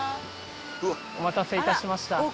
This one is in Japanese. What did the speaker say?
お待たせいたしました。